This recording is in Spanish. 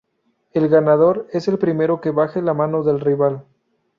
El ganador es el primero que baje la mano del rival.